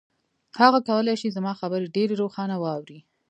هغه کولای شي زما خبرې ډېرې روښانه واوري.